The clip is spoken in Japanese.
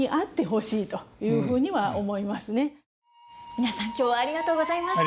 皆さん今日はありがとうございました。